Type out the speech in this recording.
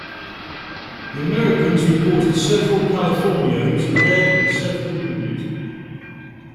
The Americans reported several Californios dead and several wounded.